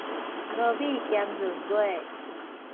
無米兼閏月